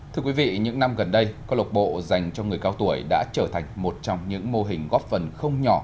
thưa quý vị những năm gần đây cơ lộc bộ dành cho người cao tuổi đã trở thành một trong những mô hình góp phần không nhỏ